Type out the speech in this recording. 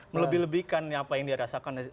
melebih lebihkan apa yang dia rasakan